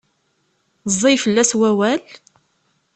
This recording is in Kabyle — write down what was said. Ẓẓay fell-as wawal?